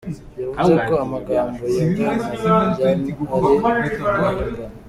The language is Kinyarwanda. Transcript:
Yavuze ko amagambo ya Bwana Ryan ari "amahimbano".